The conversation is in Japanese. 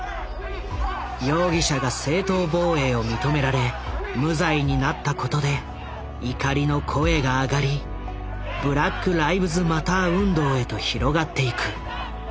容疑者が正当防衛を認められ無罪になったことで怒りの声が上がりＢｌａｃｋＬｉｖｅｓＭａｔｔｅｒ運動へと広がっていく。